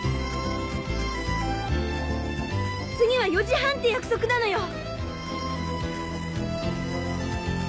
次は４時半って約束なのよ。